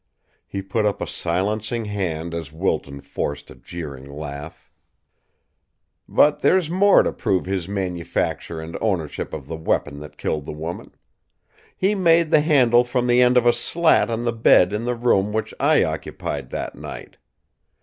He put up a silencing hand as Wilton forced a jeering laugh. "But there's more to prove his manufacture and ownership of the weapon that killed the woman. He made the handle from the end of a slat on the bed in the room which I occupied that night.